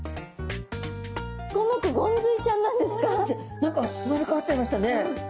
何か生まれ変わっちゃいましたね。